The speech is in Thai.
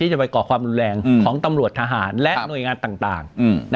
จะไปก่อความรุนแรงของตำรวจทหารและหน่วยงานต่าง